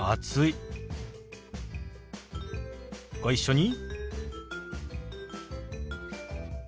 ご一緒に。